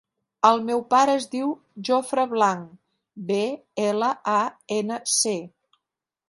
El meu pare es diu Jofre Blanc: be, ela, a, ena, ce.